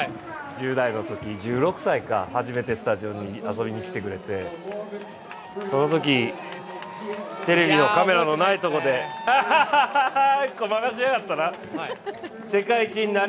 １０代のとき、１６歳か、初めてスタジオに遊びに来てくれてそのときテレビのカメラのないとこでごまかしやがったな。